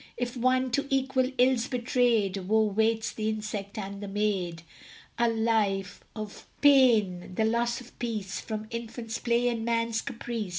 If won, to equal ills betrayed, Woe waits the insect and the maid: A life of pain, the loss of peace, From infant's play and man's caprice.